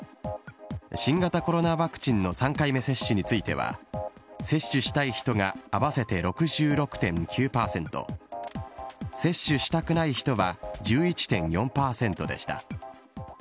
新型コロナワクチンの３回目接種については、接種したい人が合わせて６６．９％、接種したくない人は１１．４％でした。